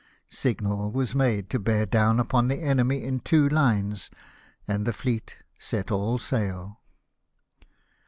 Signal was made to bear down upon the enemy in two lines, and the fleet set all sail.